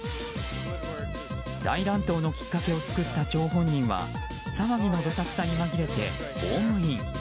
大乱闘のきっかけを作った張本人は騒ぎのどさくさに紛れてホームイン。